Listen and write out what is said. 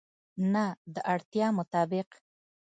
نه، د اړتیا مطابق